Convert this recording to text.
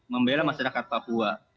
membela masyarakat papua